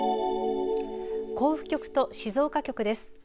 甲府局と静岡局です。